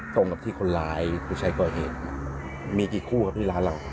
ตรงกับที่คนร้ายไปใช้ก่อเหตุมีกี่คู่ครับที่ร้านเรา